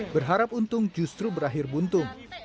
berharap untung justru berakhir buntung